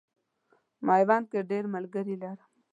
میوند کې ډېر ملګري لرم.